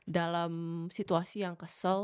dalam situasi yang kesel